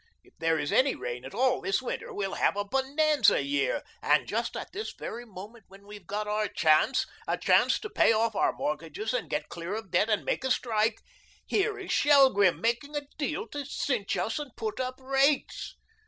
If there is any rain at all this winter, we'll have a bonanza year, and just at this very moment when we've got our chance a chance to pay off our mortgages and get clear of debt and make a strike here is Shelgrim making a deal to cinch us and put up rates.